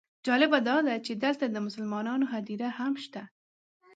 جالبه داده چې دلته د مسلمانانو هدیره هم شته.